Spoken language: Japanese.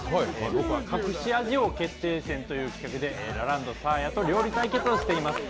僕は「隠し味王決定戦」という企画でラランド・サーヤと料理対決をしています。